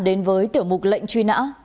đến với tiểu mục lệnh truy nã